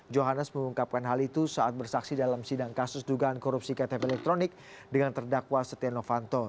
johannes mengungkapkan hal itu saat bersaksi dalam sidang kasus dugaan korupsi ktp elektronik dengan terdakwa setia novanto